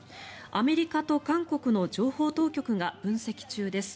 アメリカと韓国の情報当局が分析中です。